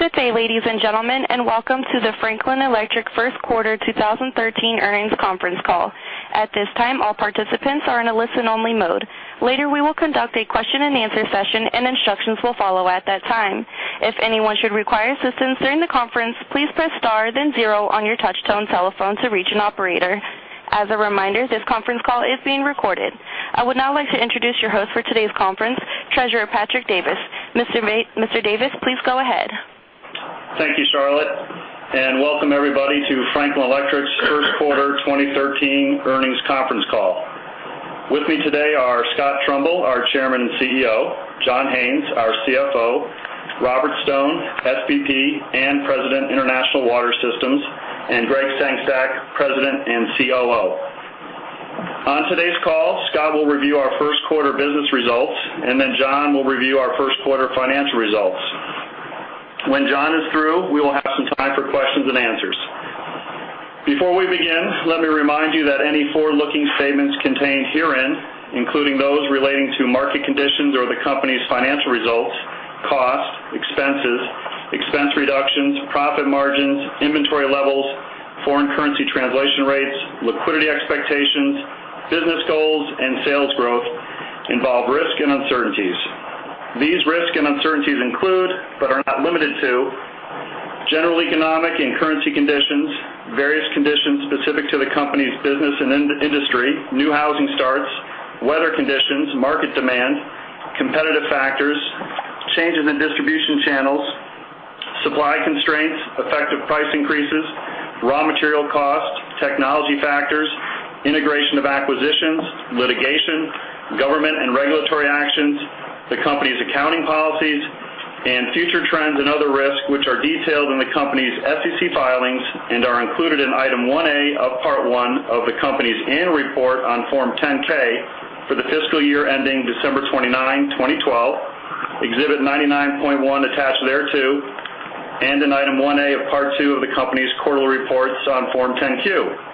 Good day, ladies and gentlemen, and welcome to the Franklin Electric Q1 2013 earnings conference call. At this time, all participants are in a listen-only mode. Later, we will conduct a question-and-answer session, and instructions will follow at that time. If anyone should require assistance during the conference, please press star, then zero on your touch-tone telephone to reach an operator. As a reminder, this conference is being recorded. I would now like to introduce your host for today's conference, Treasurer Patrick Davis. Mr. Davis, please go ahead. Thank you, Charlotte. And welcome, everybody, to Franklin Electric's Q1 2013 earnings conference call. With me today are Scott Trumbull, our Chairman and CEO; John Haines, our CFO; Robert Stone, SVP and President, International Water Systems; and Gregg Sengstack, President and COO. On today's call, Scott will review our Q1 business results, and then John will review our Q1 financial results. When John is through, we will have some time for questions and answers. Before we begin, let me remind you that any forward-looking statements contained herein, including those relating to market conditions or the company's financial results, costs, expenses, expense reductions, profit margins, inventory levels, foreign currency translation rates, liquidity expectations, business goals, and sales growth, involve risk and uncertainties. These risks and uncertainties include, but are not limited to: general economic and currency conditions; various conditions specific to the company's business and industry; new housing starts; weather conditions; market demand; competitive factors; changes in distribution channels; supply constraints; effective price increases; raw material cost; technology factors; integration of acquisitions; litigation; government and regulatory actions; the company's accounting policies; and future trends and other risks, which are detailed in the company's SEC filings and are included in item 1A of part 1 of the company's annual report on form 10-K for the fiscal year ending December 29, 2012, exhibit 99.1 attached thereto, and in item 1A of part 2 of the company's quarterly reports on form 10-Q.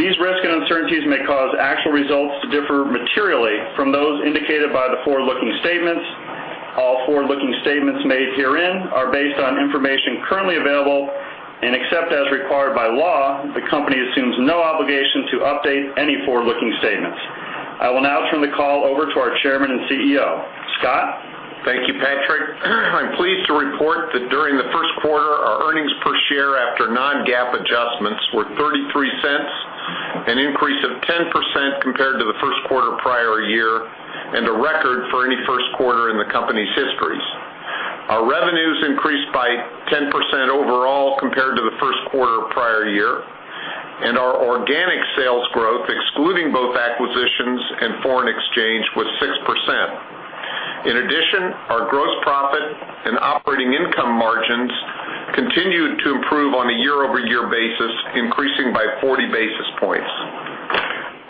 These risks and uncertainties may cause actual results to differ materially from those indicated by the forward-looking statements. All forward-looking statements made herein are based on information currently available, and except as required by law, the company assumes no obligation to update any forward-looking statements. I will now turn the call over to our Chairman and CEO. Scott? Thank you, Patrick. I'm pleased to report that during the Q1, our earnings per share after Non-GAAP adjustments were $0.33, an increase of 10% compared to the Q1 prior year, and a record for any Q1 in the company's histories. Our revenues increased by 10% overall compared to the Q1 prior year, and our organic sales growth, excluding both acquisitions and foreign exchange, was 6%. In addition, our gross profit and operating income margins continued to improve on a quarter-over-quarter basis, increasing by 40 basis points.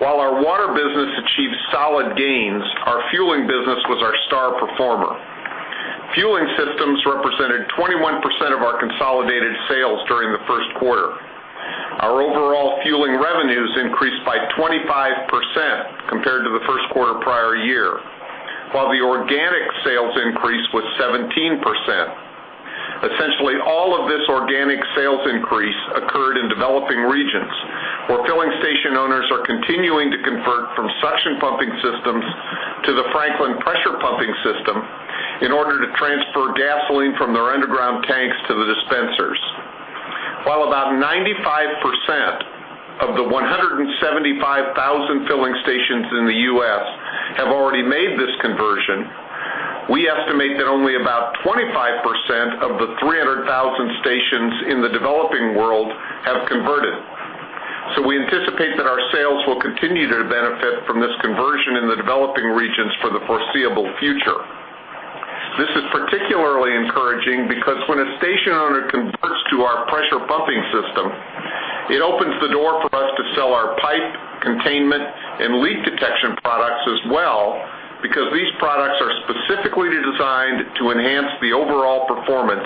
While our water business achieved solid gains, our fueling business was our star performer. Fueling systems represented 21% of our consolidated sales during the Q1. Our overall fueling revenues increased by 25% compared to the Q1 prior year, while the organic sales increase was 17%. Essentially, all of this organic sales increase occurred in developing regions, where filling station owners are continuing to convert from suction pumping systems to the Franklin pressure pumping system in order to transfer gasoline from their underground tanks to the dispensers. While about 95% of the 175,000 filling stations in the U.S. have already made this conversion, we estimate that only about 25% of the 300,000 stations in the developing world have converted. So we anticipate that our sales will continue to benefit from this conversion in the developing regions for the foreseeable future. This is particularly encouraging because when a station owner converts to our pressure pumping system, it opens the door for us to sell our pipe, containment, and leak detection products as well, because these products are specifically designed to enhance the overall performance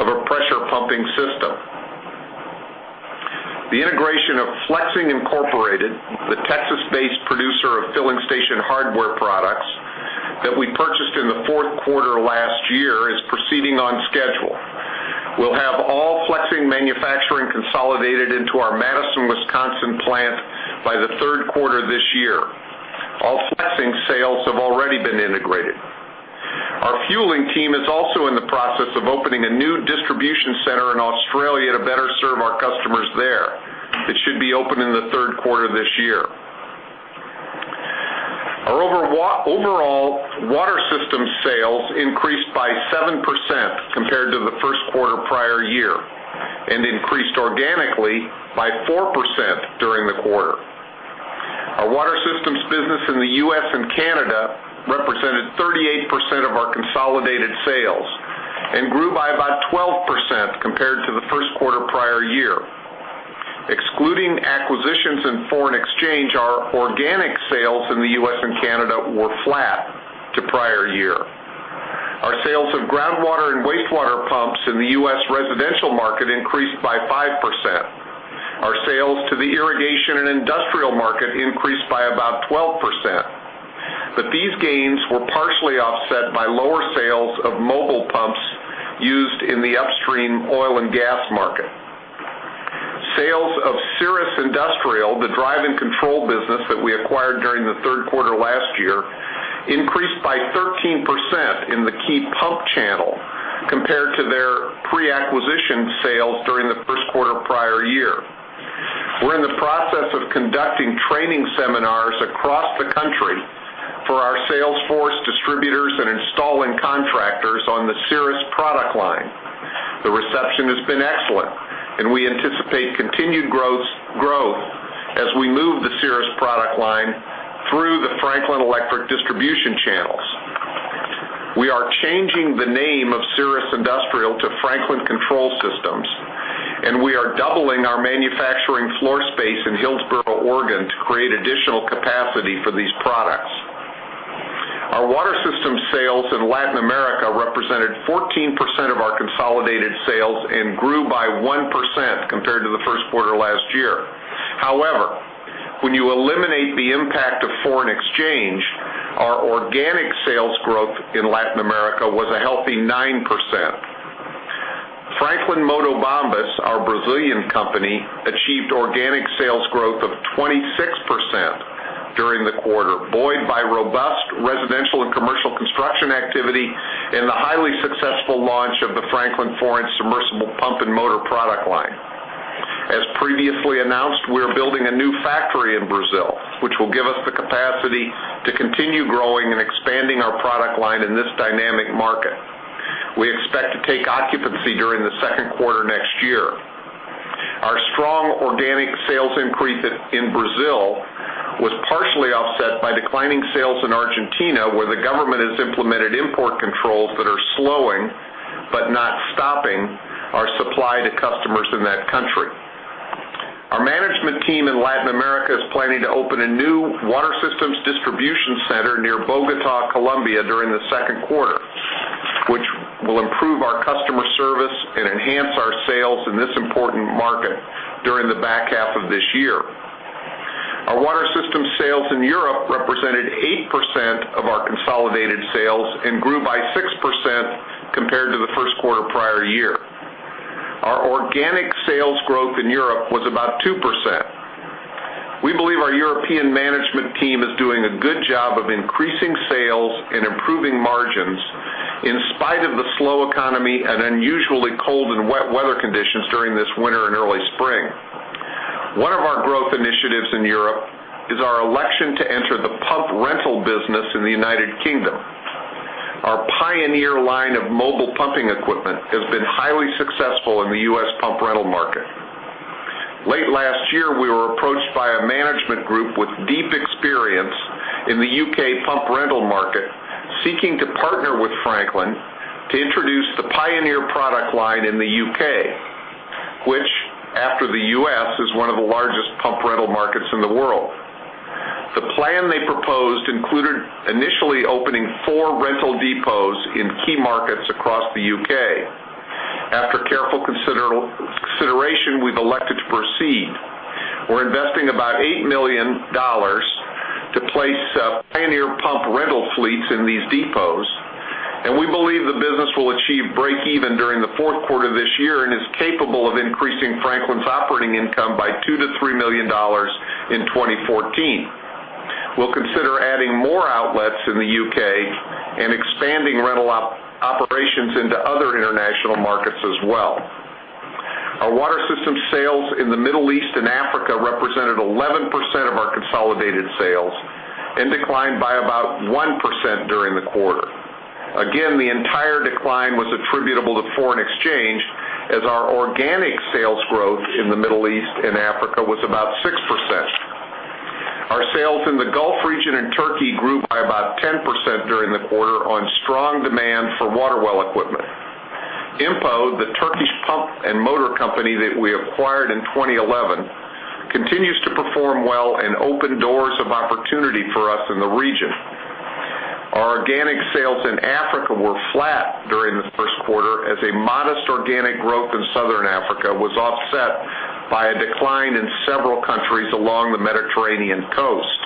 of a pressure pumping system. The integration of Flex-Ing Incorporated, the Texas-based producer of filling station hardware products that we purchased in the fourth quarter last year, is proceeding on schedule. We'll have all Flex-Ing manufacturing consolidated into our Madison, Wisconsin plant by the Q3 this year. All Flex-Ing sales have already been integrated. Our fueling team is also in the process of opening a new distribution center in Australia to better serve our customers there. It should be open in the Q3 this year. Our overall water systems sales increased by 7% compared to the Q1 prior year, and increased organically by 4% during the quarter. Our water systems business in the U.S. and Canada represented 38% of our consolidated sales and grew by about 12% compared to the Q1 prior year. Excluding acquisitions and foreign exchange, our organic sales in the U.S. and Canada were flat to prior year. Our sales of groundwater and wastewater pumps in the U.S. residential market increased by 5%. Our sales to the irrigation and industrial market increased by about 12%, but these gains were partially offset by lower sales of mobile pumps used in the upstream oil and gas market. Sales of Cerus Industrial, the drive-and-control business that we acquired during the Q3 last year, increased by 13% in the key pump channel compared to their pre-acquisition sales during the Q1 prior year. We're in the process of conducting training seminars across the country for our sales force, distributors, and installing contractors on the Cerus product line. The reception has been excellent, and we anticipate continued growth as we move the Cerus product line through the Franklin Electric distribution channels. We are changing the name of Cerus Industrial to Franklin Control Systems, and we are doubling our manufacturing floor space in Hillsboro, Oregon, to create additional capacity for these products. Our Water Systems sales in Latin America represented 14% of our consolidated sales and grew by 1% compared to the Q1 last year. However, when you eliminate the impact of foreign exchange, our organic sales growth in Latin America was a healthy 9%. Franklin Motobombas, our Brazilian company, achieved organic sales growth of 26% during the quarter, buoyed by robust residential and commercial construction activity and the highly successful launch of the Franklin 4-inch Submersible Pump We expect to take occupancy during the Q2 next year. Our strong organic sales increase in Brazil was partially offset by declining sales in Argentina, where the government has implemented import controls that are slowing but not stopping our supply to customers in that country. Our management team in Latin America is planning to open a new water systems distribution center near Bogotá, Colombia, during the Q2, which will improve our customer service and enhance our sales in this important market during the back half of this year. Our water systems sales in Europe represented 8% of our consolidated sales and grew by 6% compared to the Q1 prior year. Our organic sales growth in Europe was about 2%. We believe our European management team is doing a good job of increasing sales and improving margins in spite of the slow economy and unusually cold and wet weather conditions during this winter and early spring. One of our growth initiatives in Europe is our election to enter the pump rental business in the United Kingdom. Our Pioneer line of mobile pumping equipment has been highly successful in the U.S. pump rental market. Late last year, we were approached by a management group with deep experience in the U.K. pump rental market seeking to partner with Franklin to introduce the Pioneer product line in the U.K., which, after the U.S., is one of the largest pump rental markets in the world. The plan they proposed included initially opening four rental depots in key markets across the U.K. After careful consideration, we've elected to proceed. We're investing about $8 million to place Pioneer Pump rental fleets in these depots, and we believe the business will achieve break-even during the fourth quarter this year and is capable of increasing Franklin's operating income by $2-$3 million in 2014. We'll consider adding more outlets in the U.K. and expanding rental operations into other international markets as well. Our water systems sales in the Middle East and Africa represented 11% of our consolidated sales and declined by about 1% during the quarter. Again, the entire decline was attributable to foreign exchange, as our organic sales growth in the Middle East and Africa was about 6%. Our sales in the Gulf region and Turkey grew by about 10% during the quarter on strong demand for water well equipment. IMPO, the Turkish pump and motor company that we acquired in 2011, continues to perform well and open doors of opportunity for us in the region. Our organic sales in Africa were flat during the Q1, as a modest organic growth in southern Africa was offset by a decline in several countries along the Mediterranean coast.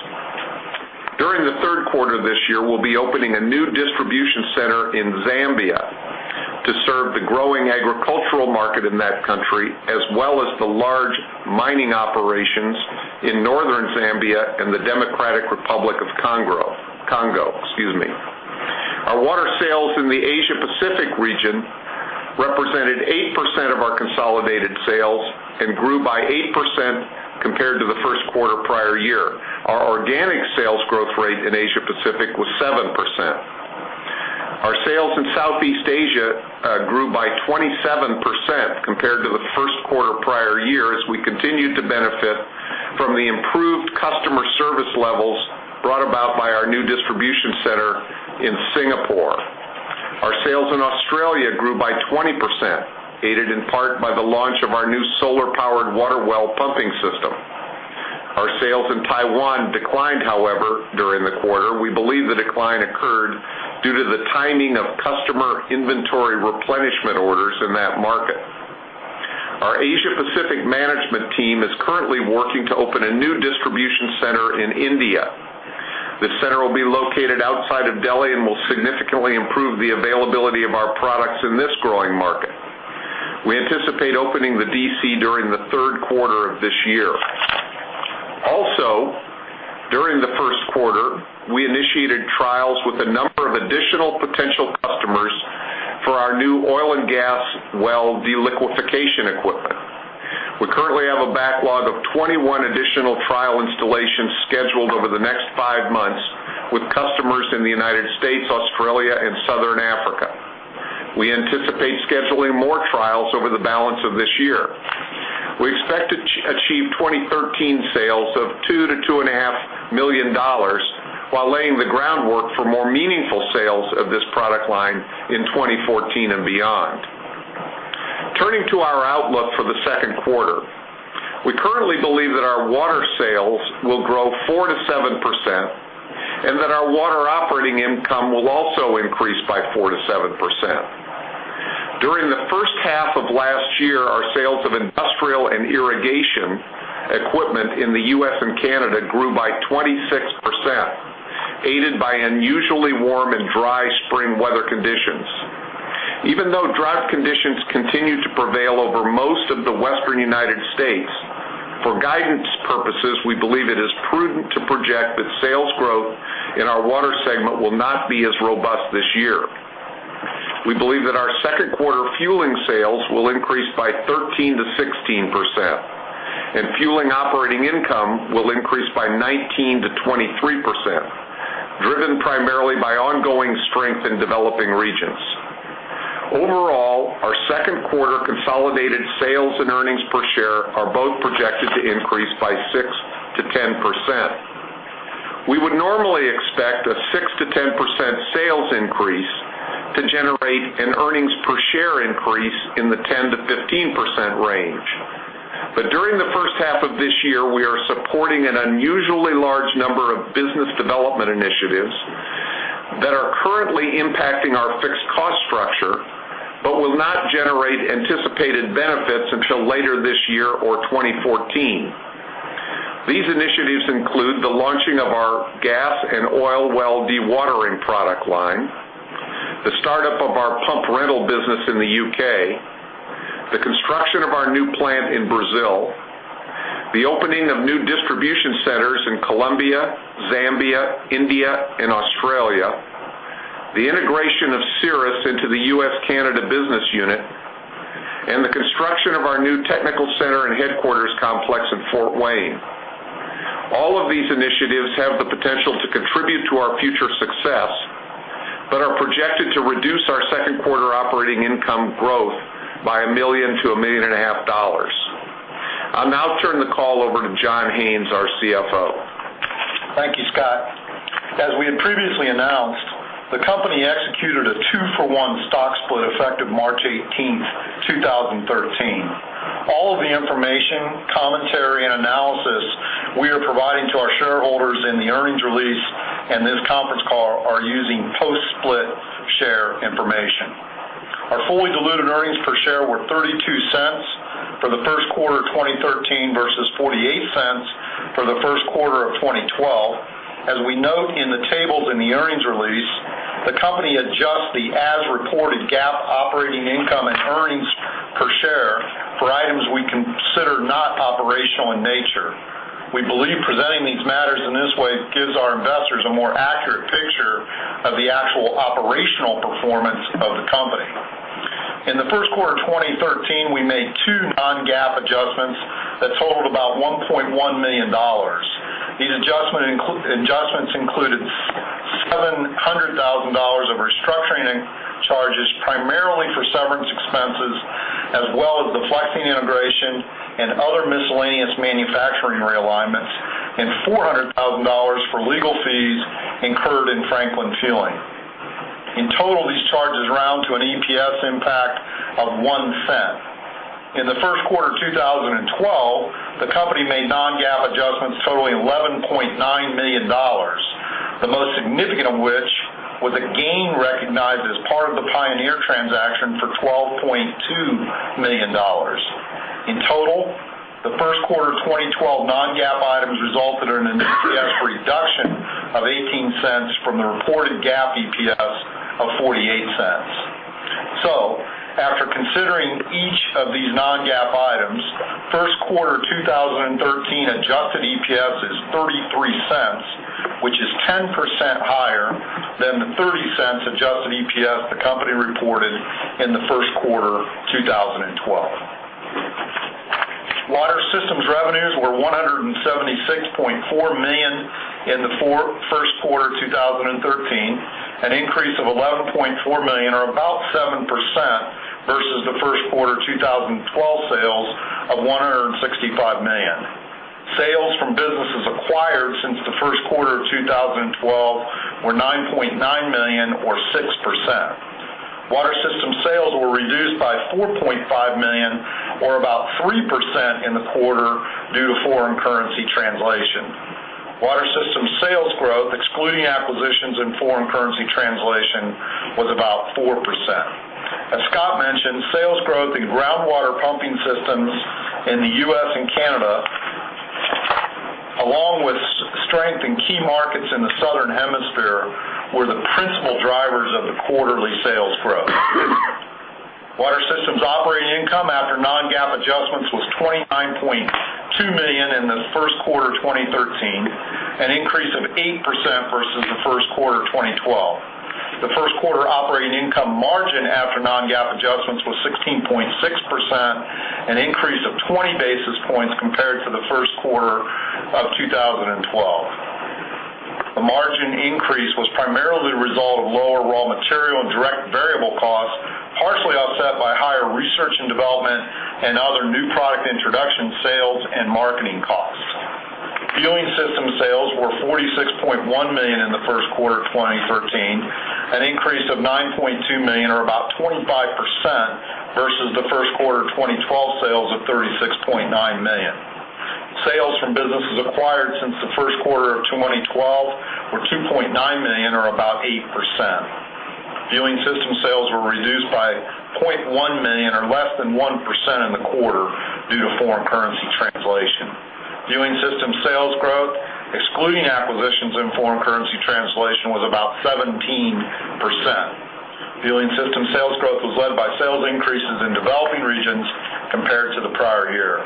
During the Q3 this year, we'll be opening a new distribution center in Zambia to serve the growing agricultural market in that country, as well as the large mining operations in northern Zambia and the Democratic Republic of Congo. Our water sales in the Asia-Pacific region represented 8% of our consolidated sales and grew by 8% compared to the Q1 prior year. Our organic sales growth rate in Asia-Pacific was 7%. Our sales in Southeast Asia grew by 27% compared to the Q1 prior year as we continued to benefit from the improved customer service levels brought about by our new distribution center in Singapore. Our sales in Australia grew by 20%, aided in part by the launch of our new solar-powered water well pumping system. Our sales in Taiwan declined, however, during the quarter. We believe the decline occurred due to the timing of customer inventory replenishment orders in that market. Our Asia-Pacific management team is currently working to open a new distribution center in India. The center will be located outside of Delhi and will significantly improve the availability of our products in this growing market. We anticipate opening the D.C. during the Q3 of this year. Also, during the Q1, we initiated trials with a number of additional potential customers for our new oil and gas well deliquification equipment. We currently have a backlog of 21 additional trial installations scheduled over the next five months with customers in the United States, Australia, and southern Africa. We anticipate scheduling more trials over the balance of this year. We expect to achieve 2013 sales of $2-$2.5 million while laying the groundwork for more meaningful sales of this product line in 2014 and beyond. Turning to our outlook for the Q2, we currently believe that our water sales will grow 4%-7% and that our water operating income will also increase by 4%-7%. During the H1 of last year, our sales of industrial and irrigation equipment in the U.S. and Canada grew by 26%, aided by unusually warm and dry spring weather conditions. Even though drought conditions continue to prevail over most of the western United States, for guidance purposes, we believe it is prudent to project that sales growth in our water segment will not be as robust this year. We believe that our Q2 fueling sales will increase by 13%-16%, and fueling operating income will increase by 19%-23%, driven primarily by ongoing strength in developing regions. Overall, our Q2 consolidated sales and earnings per share are both projected to increase by 6%-10%. We would normally expect a 6%-10% sales increase to generate an earnings per share increase in the 10%-15% range, but during the H1 of this year, we are supporting an unusually large number of business development initiatives that are currently impacting our fixed cost structure but will not generate anticipated benefits until later this year or 2014. These initiatives include the launching of our gas and oil well dewatering product line, the startup of our pump rental business in the U.K., the construction of our new plant in Brazil, the opening of new distribution centers in Colombia, Zambia, India, and Australia, the integration of Cirrus into the U.S.-Canada business unit, and the construction of our new technical center and headquarters complex in Fort Wayne. All of these initiatives have the potential to contribute to our future success but are projected to reduce our Q2 operating income growth by $1 million-$1.5 million. I'll now turn the call over to John Haines, our CFO. Thank you, Scott. As we had previously announced, the company executed a two-for-one stock split effective March 18, 2013. All of the information, commentary, and analysis we are providing to our shareholders in the earnings release and this conference call are using post-split share information. Our fully diluted earnings per share were $0.32 for the Q1 of 2013 versus $0.48 for the Q1 of 2012. As we note in the tables in the earnings release, the company adjusts the as-reported GAAP operating income and earnings per share for items we consider not operational in nature. We believe presenting these matters in this way gives our investors a more accurate picture of the actual operational performance of the company. In the Q1 of 2013, we made two non-GAAP adjustments that totaled about $1.1 million. These adjustments included $700,000 of restructuring charges primarily for severance expenses as well as the Flexing integration and other miscellaneous manufacturing realignments, and $400,000 for legal fees incurred in Franklin Fueling. In total, these charges round to an EPS impact of $0.01. In the Q1 of 2012, the company made non-GAAP adjustments totaling $11.9 million, the most significant of which was a gain recognized as part of the Pioneer transaction for $12.2 million. In total, the Q1 of 2012 non-GAAP items resulted in an EPS reduction of $0.18 from the reported GAAP EPS of $0.48. So, after considering each of these non-GAAP items, Q1 2013 adjusted EPS is $0.33, which is 10% higher than the $0.30 adjusted EPS the company reported in the Q1 of 2012. Water Systems revenues were $176.4 million in the Q1 of 2013, an increase of $11.4 million or about 7% versus the Q1 of 2012 sales of $165 million. Sales from businesses acquired since the Q1 of 2012 were $9.9 million or 6%. Water Systems sales were reduced by $4.5 million or about 3% in the quarter due to foreign currency translation. Water Systems sales growth, excluding acquisitions in foreign currency translation, was about 4%. As Scott mentioned, sales growth in groundwater pumping systems in the U.S. and Canada, along with strength in key markets in the southern hemisphere, were the principal drivers of the quarterly sales growth. Water Systems operating income after non-GAAP adjustments was $29.2 million in the Q1 of 2013, an increase of 8% versus the Q1 of 2012. The Q1 operating income margin after non-GAAP adjustments was 16.6%, an increase of 20 basis points compared to the Q1 of 2012. The margin increase was primarily the result of lower raw material and direct variable costs, partially offset by higher research and development and other new product introduction sales and marketing costs. Fueling systems sales were $46.1 million in the Q1 of 2013, an increase of $9.2 million or about 25% versus the Q1 of 2012 sales of $36.9 million. Sales from businesses acquired since the Q1 of 2012 were $2.9 million or about 8%. Fueling systems sales were reduced by $0.1 million or less than 1% in the quarter due to foreign currency translation. Fueling systems sales growth, excluding acquisitions in foreign currency translation, was about 17%. Fueling systems sales growth was led by sales increases in developing regions compared to the prior year.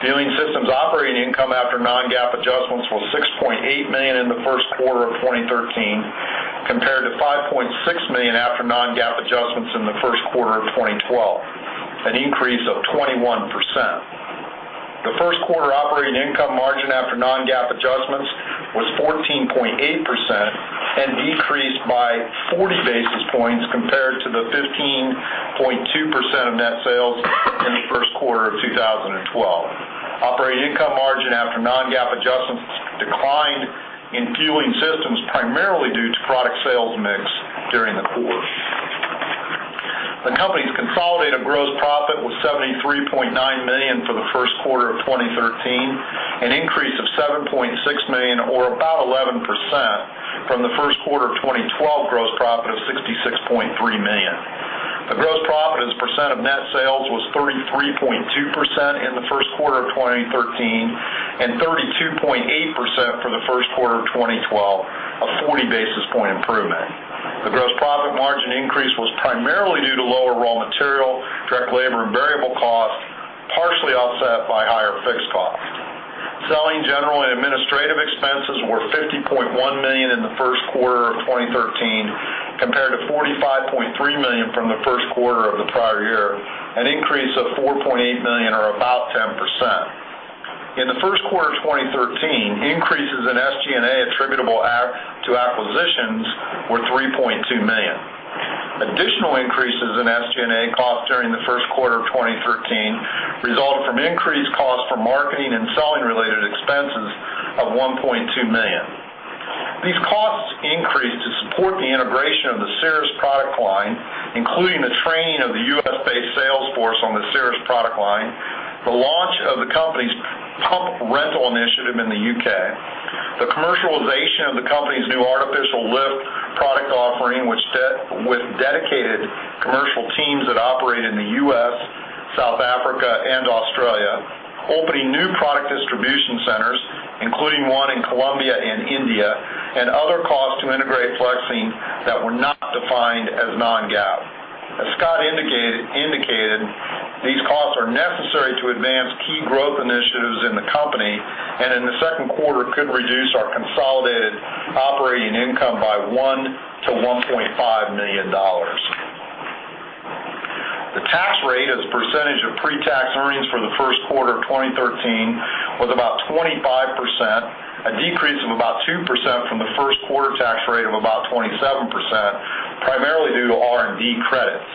Fueling systems operating income after non-GAAP adjustments was $6.8 million in the Q1 of 2013 compared to $5.6 million after non-GAAP adjustments in the Q1 of 2012, an increase of 21%. The Q1 operating income margin after non-GAAP adjustments was 14.8% and decreased by 40 basis points compared to the 15.2% of net sales in the Q1 of 2012. Operating income margin after non-GAAP adjustments declined in fueling systems primarily due to product sales mix during the quarter. The company's consolidated gross profit was $73.9 million for the Q1 of 2013, an increase of $7.6 million or about 11% from the Q1 of 2012 gross profit of $66.3 million. The gross profit as a percent of net sales was 33.2% in the Q1 of 2013 and 32.8% for the Q1 of 2012, a 40 basis point improvement. The gross profit margin increase was primarily due to lower raw material, direct labor, and variable costs, partially offset by higher fixed costs. Selling general and administrative expenses were $50.1 million in the Q1 of 2013 compared to $45.3 million from the Q1 of the prior year, an increase of $4.8 million or about 10%. In the Q1 of 2013, increases in SG&A attributable to acquisitions were $3.2 million. Additional increases in SG&A costs during the Q1 of 2013 resulted from increased costs for marketing and selling-related expenses of $1.2 million. These costs increased to support the integration of the Cirrus product line, including the training of the U.S.-based sales force on the Cirrus product line, the launch of the company's pump rental initiative in the U.K., the commercialization of the company's new artificial lift product offering with dedicated commercial teams that operate in the U.S., South Africa, and Australia, opening new product distribution centers, including one in Colombia and India, and other costs to integrate Flexing that were not defined as non-GAAP. As Scott indicated, these costs are necessary to advance key growth initiatives in the company and in the Q2 could reduce our consolidated operating income by $1-$1.5 million. The tax rate as a percentage of pre-tax earnings for the Q1 of 2013 was about 25%, a decrease of about 2% from the Q1 tax rate of about 27%, primarily due to R&D credits.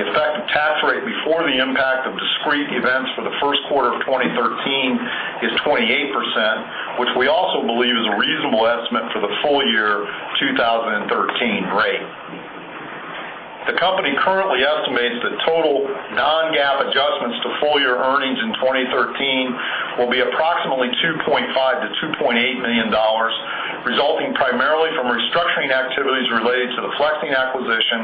The effective tax rate before the impact of discrete events for the Q1 of 2013 is 28%, which we also believe is a reasonable estimate for the full-year 2013 rate. The company currently estimates that total non-GAAP adjustments to full-year earnings in 2013 will be approximately $2.5-$2.8 million, resulting primarily from restructuring activities related to the Flexing acquisition,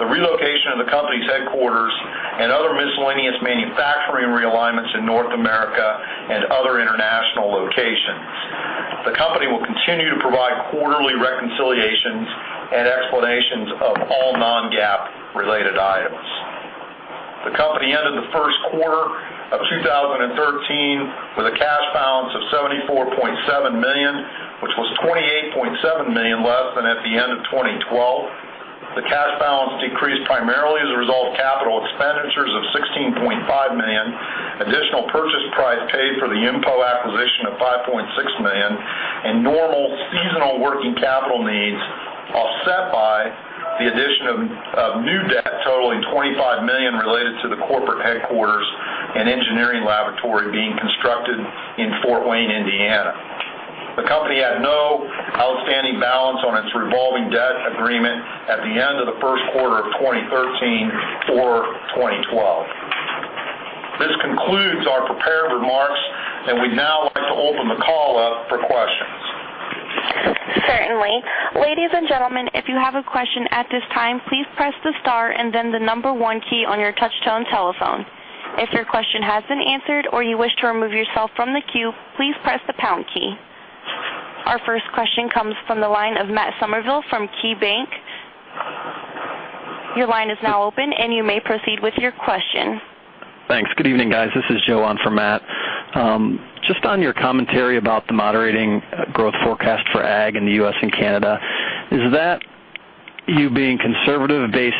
the relocation of the company's headquarters, and other miscellaneous manufacturing realignments in North America and other international locations. The company will continue to provide quarterly reconciliations and explanations of all non-GAAP-related items. The company ended the Q1 of 2013 with a cash balance of $74.7 million, which was $28.7 million less than at the end of 2012. The cash balance decreased primarily as a result of capital expenditures of $16.5 million, additional purchase price paid for the IMPO acquisition of $5.6 million, and normal seasonal working capital needs offset by the addition of new debt totaling $25 million related to the corporate headquarters and engineering laboratory being constructed in Fort Wayne, Indiana. The company had no outstanding balance on its revolving debt agreement at the end of the Q1 of 2013 or 2012. This concludes our prepared remarks, and we'd now like to open the call up for questions. Certainly. Ladies and gentlemen, if you have a question at this time, please press the star and then the number one key on your touch-tone telephone. If your question has been answered or you wish to remove yourself from the queue, please press the pound key. Our first question comes from the line of Matt Summerville from KeyBanc. Your line is now open, and you may proceed with your question. Thanks. Good evening, guys. This is Joe on for Matt. Just on your commentary about the moderating growth forecast for ag in the U.S. and Canada, is that you being conservative based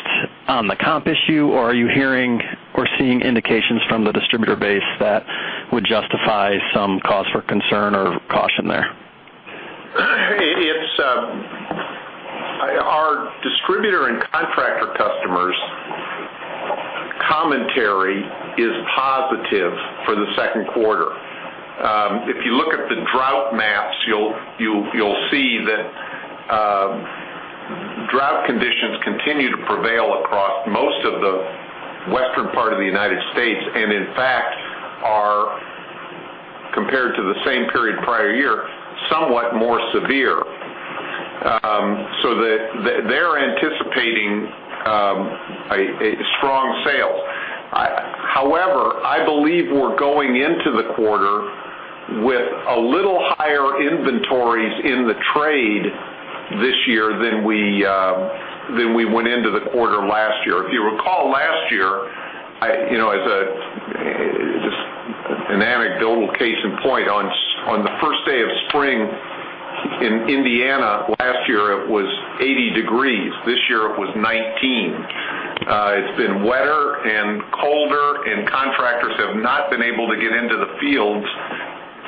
on the comp issue, or are you hearing or seeing indications from the distributor base that would justify some cause for concern or caution there? Our distributor and contractor customers' commentary is positive for the Q2. If you look at the drought maps, you'll see that drought conditions continue to prevail across most of the western part of the United States and, in fact, are, compared to the same period prior year, somewhat more severe. So they're anticipating strong sales. However, I believe we're going into the quarter with a little higher inventories in the trade this year than we went into the quarter last year. If you recall last year, as an anecdotal case in point, on the first day of spring in Indiana last year, it was 80 degrees Fahrenheit. This year, it was 19 degrees Fahrenheit. It's been wetter and colder, and contractors have not been able to get into the fields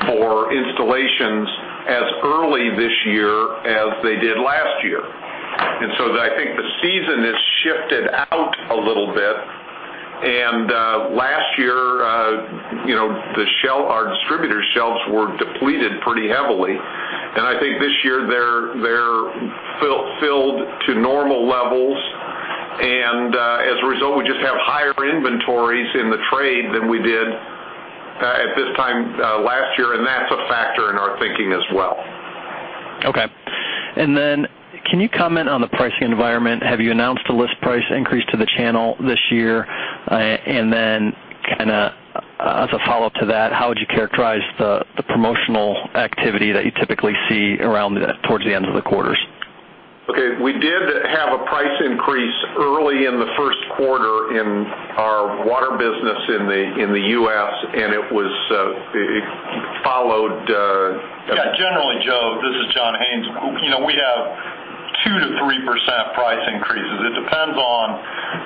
for installations as early this year as they did last year. So I think the season has shifted out a little bit. Last year, our distributor shelves were depleted pretty heavily, and I think this year they're filled to normal levels. As a result, we just have higher inventories in the trade than we did at this time last year, and that's a factor in our thinking as well. Okay. Can you comment on the pricing environment? Have you announced a list price increase to the channel this year? Kind of as a follow-up to that, how would you characterize the promotional activity that you typically see around towards the ends of the quarters? Okay. We did have a price increase early in the Q1 in our water business in the U.S., and it followed. Yeah. Generally, Joe, this is John Haines. We have 2%-3% price increases. It depends on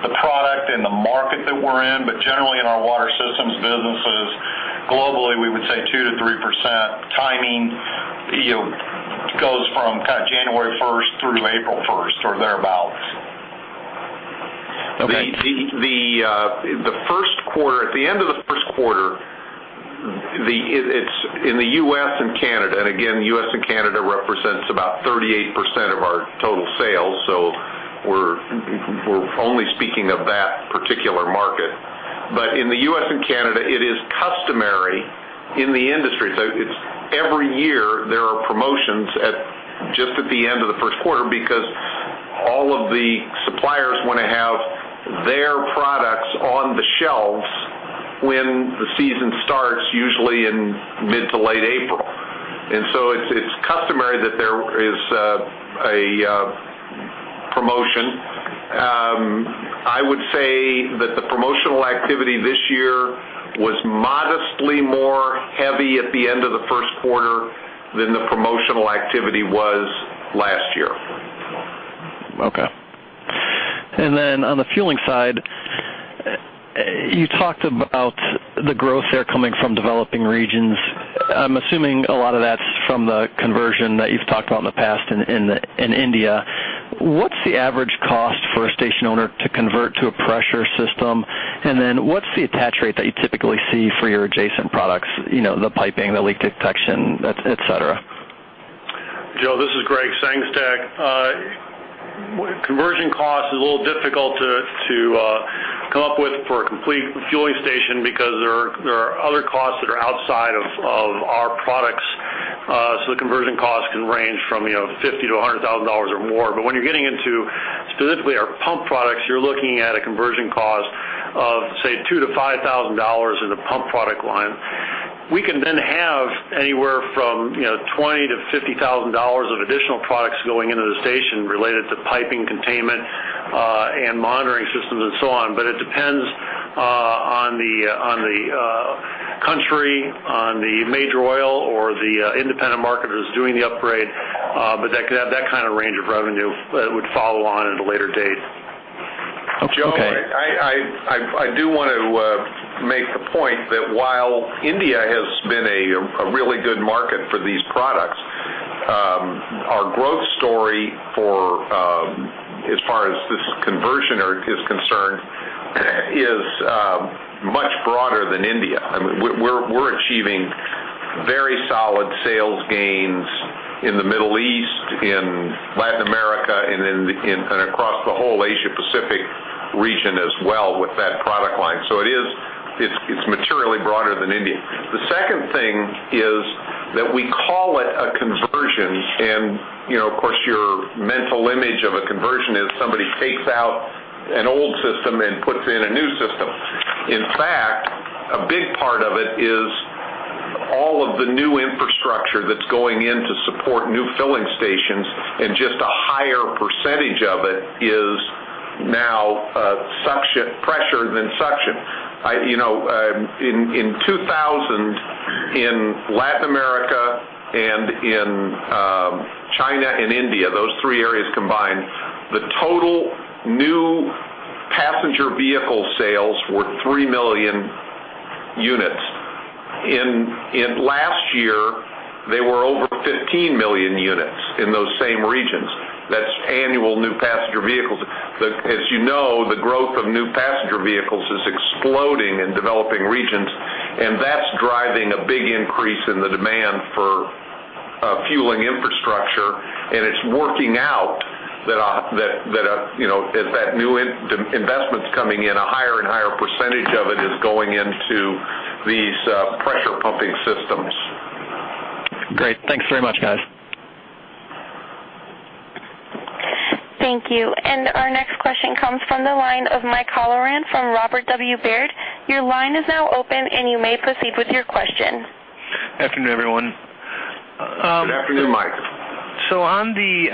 the product and the market that we're in, but generally in our water systems businesses, globally, we would say 2%-3%. Timing goes from kind of January 1st through April 1st or thereabouts. Okay. At the end of the Q1, in the U.S. and Canada and again, the U.S. and Canada represents about 38% of our total sales, so we're only speaking of that particular market. But in the U.S. and Canada, it is customary in the industry. Every year, there are promotions just at the end of the Q1 because all of the suppliers want to have their products on the shelves when the season starts, usually in mid to late April. And so it's customary that there is a promotion. I would say that the promotional activity this year was modestly more heavy at the end of the Q1 than the promotional activity was last year. Okay. And then on the fueling side, you talked about the growth there coming from developing regions. I'm assuming a lot of that's from the conversion that you've talked about in the past in India. What's the average cost for a station owner to convert to a pressure system? And then what's the attach rate that you typically see for your adjacent products, the piping, the leak detection, etc.? Joe, this is Gregg Sengstack. Conversion cost is a little difficult to come up with for a complete fueling station because there are other costs that are outside of our products. So the conversion cost can range from $50-$100,000 or more. But when you're getting into specifically our pump products, you're looking at a conversion cost of, say, $2-$5,000 in the pump product line. We can then have anywhere from $20-$50,000 of additional products going into the station related to piping, containment, and monitoring systems, and so on. But it depends on the country, on the major oil, or the independent marketers doing the upgrade. But that could have that kind of range of revenue that would follow on at a later date. Joe, I do want to make the point that while India has been a really good market for these products, our growth story as far as this conversion is concerned is much broader than India. I mean, we're achieving very solid sales gains in the Middle East, in Latin America, and across the whole Asia-Pacific region as well with that product line. So it's materially broader than India. The second thing is that we call it a conversion. And of course, your mental image of a conversion is somebody takes out an old system and puts in a new system. In fact, a big part of it is all of the new infrastructure that's going in to support new filling stations, and just a higher percentage of it is now pressure than suction. In 2000, in Latin America and in China and India, those three areas combined, the total new passenger vehicle sales were 3 million units. Last year, they were over 15 million units in those same regions. That's annual new passenger vehicles. As you know, the growth of new passenger vehicles is exploding in developing regions, and that's driving a big increase in the demand for fueling infrastructure. And it's working out that as that new investment's coming in, a higher and higher percentage of it is going into these pressure pumping systems. Great. Thanks very much, guys. Thank you. Our next question comes from the line of Mike Halloran from Robert W. Baird. Your line is now open, and you may proceed with your question. Afternoon, everyone. Good afternoon, Mike. On the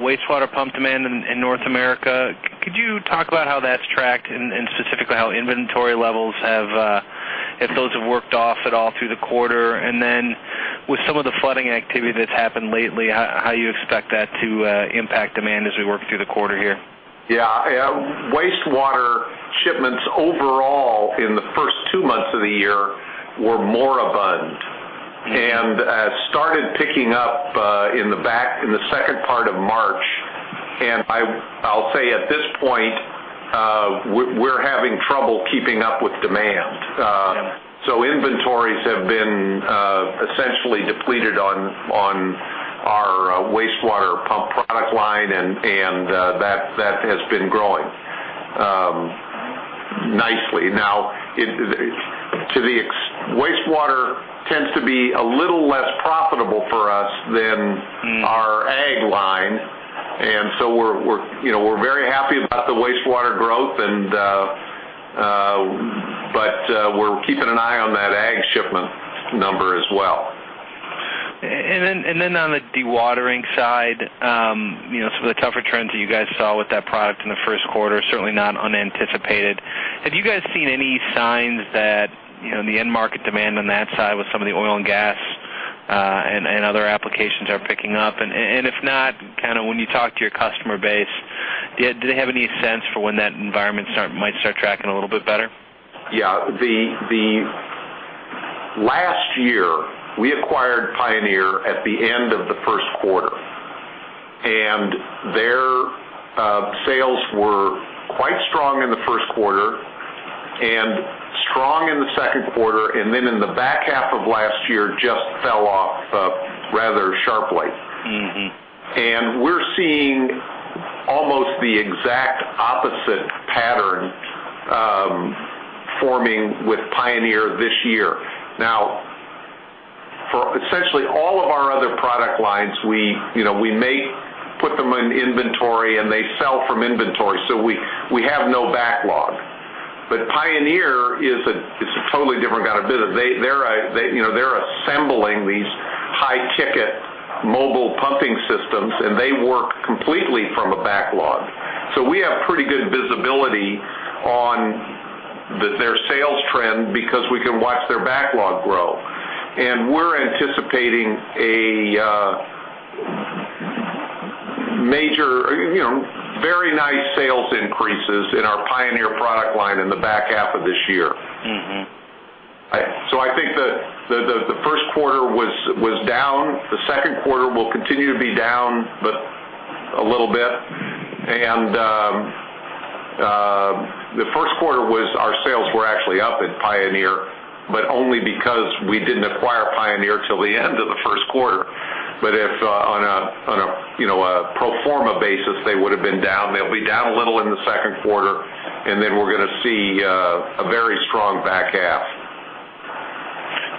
wastewater pump demand in North America, could you talk about how that's tracked and specifically how inventory levels have, if those have worked off at all through the quarter? Then with some of the flooding activity that's happened lately, how you expect that to impact demand as we work through the quarter here? Yeah. Wastewater shipments overall in the first two months of the year were more abundant and started picking up in the second part of March. I'll say at this point, we're having trouble keeping up with demand. Inventories have been essentially depleted on our wastewater pump product line, and that has been growing nicely. Now, wastewater tends to be a little less profitable for us than our ag line, and so we're very happy about the wastewater growth, but we're keeping an eye on that ag shipment number as well. Then on the dewatering side, some of the tougher trends that you guys saw with that product in the Q1, certainly not unanticipated. Have you guys seen any signs that the end market demand on that side with some of the oil and gas and other applications are picking up? If not, kind of when you talk to your customer base, did they have any sense for when that environment might start tracking a little bit better? Yeah. Last year, we acquired Pioneer at the end of the Q1, and their sales were quite strong in the Q1 and strong in the Q2, and then in the back half of last year, just fell off rather sharply. And we're seeing almost the exact opposite pattern forming with Pioneer this year. Now, essentially, all of our other product lines, we put them in inventory, and they sell from inventory, so we have no backlog. But Pioneer is a totally different kind of business. They're assembling these high-ticket mobile pumping systems, and they work completely from a backlog. So we have pretty good visibility on their sales trend because we can watch their backlog grow. And we're anticipating very nice sales increases in our Pioneer product line in the back half of this year. So I think the Q1 was down. The Q2 will continue to be down, but a little bit. The Q1 was our sales were actually up at Pioneer, but only because we didn't acquire Pioneer till the end of the Q1. If on a pro forma basis, they would have been down, they'll be down a little in the Q2, and then we're going to see a very strong back half.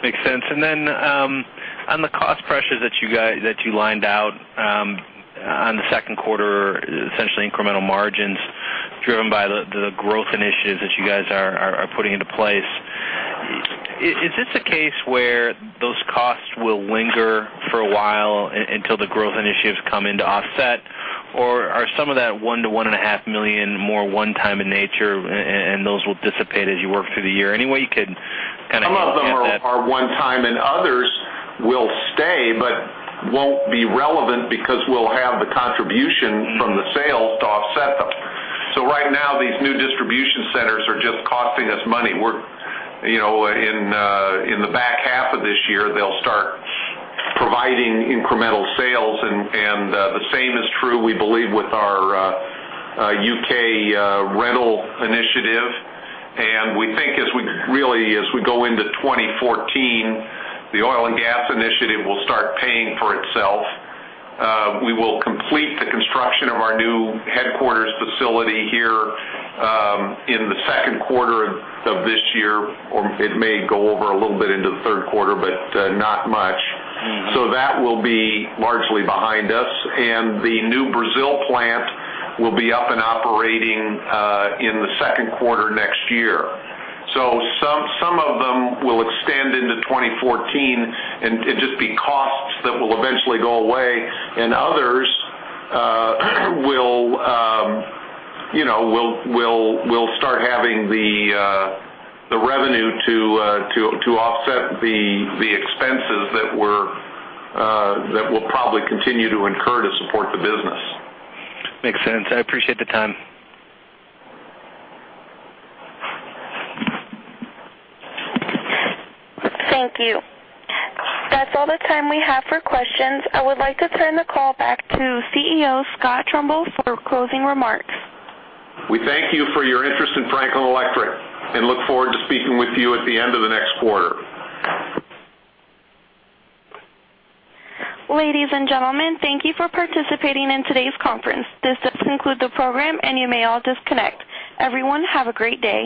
Makes sense. Then on the cost pressures that you lined out on the Q2, essentially incremental margins driven by the growth initiatives that you guys are putting into place, is this a case where those costs will linger for a while until the growth initiatives come in to offset, or are some of that $1 million-$1.5 million more one-time in nature, and those will dissipate as you work through the year? Any way you could kind of. Some of them are one-time, and others will stay but won't be relevant because we'll have the contribution from the sales to offset them. So right now, these new distribution centers are just costing us money. In the back half of this year, they'll start providing incremental sales. And the same is true, we believe, with our UK rental initiative. And we think really as we go into 2014, the oil and gas initiative will start paying for itself. We will complete the construction of our new headquarters facility here in the Q2 of this year, or it may go over a little bit into the Q3, but not much. So that will be largely behind us. And the new Brazil plant will be up and operating in the Q2 next year. Some of them will extend into 2014 and just be costs that will eventually go away, and others will start having the revenue to offset the expenses that will probably continue to incur to support the business. Makes sense. I appreciate the time. Thank you. That's all the time we have for questions. I would like to turn the call back to CEO Scott Trumbull for closing remarks. We thank you for your interest in Franklin Electric and look forward to speaking with you at the end of the next quarter. Ladies and gentlemen, thank you for participating in today's conference. This does conclude the program, and you may all disconnect. Everyone, have a great day.